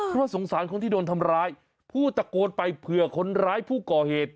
เพราะสงสารคนที่โดนทำร้ายผู้ตะโกนไปเผื่อคนร้ายผู้ก่อเหตุ